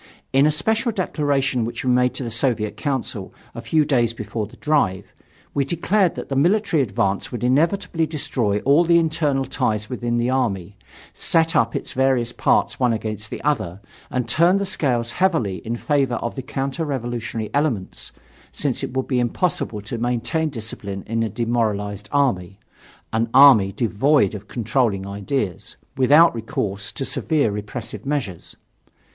In a special declaration which we made in the Soviet Council a few days before the drive, we declared that the military advance would inevitably destroy all the internal ties within the army, set up its various parts one against the other and turn the scales heavily in favor of the counter revolutionary elements, since it would be impossible to maintain discipline in a demoralized army an army devoid of controlling ideas without recourse to severe repressive measures.